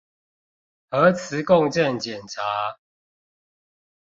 核磁共振檢查